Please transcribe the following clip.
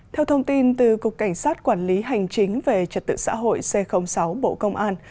theo thông tin từ cục cảnh sát quản lý hành chính về trật tự xã hội c sáu bộ công an